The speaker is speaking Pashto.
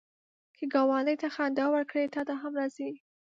که ګاونډي ته خندا ورکړې، تا ته هم راځي